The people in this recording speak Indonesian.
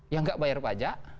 yang tidak membayar pajak